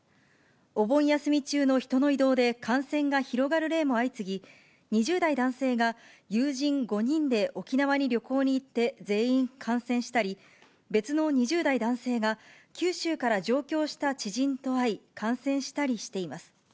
お盆休み中の人の移動で感染が広がる例も相次ぎ、２０代男性が友人５人で沖縄に旅行に行って全員感染したり、別の２０代男性が、九州から上京した知人と会い、感染したりしています。